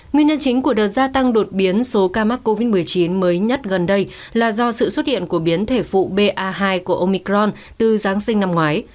nguyên nhân chính của đợt gia tăng đột biến số ca mắc covid một mươi chín mới nhất gần đây là do sự xuất hiện của biến thể phụ ba hai của omicron từ giáng sinh năm ngoái